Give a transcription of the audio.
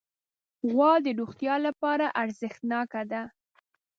غوا د روغتیا لپاره ارزښتناکه ده.